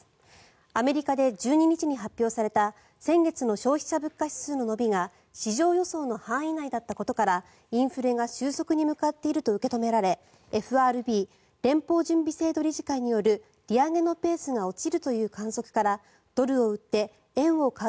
アメリカで１２日に発表された先月の消費者物価指数の伸びが市場予想の範囲内だったことからインフレが収束に向かっていると受け止められ ＦＲＢ ・連邦準備制度理事会による一歩歩けばひとつの出会いがある